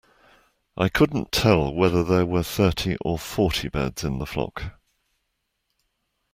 I couldn't tell whether there were thirty or forty birds in the flock